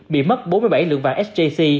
bị mất bốn mươi bảy lượng vàng sjc